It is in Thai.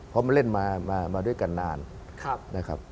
เพราะมันเล่นมาด้วยกันนานนะครับ